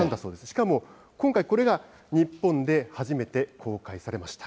しかも、今回これが、日本で初めて公開されました。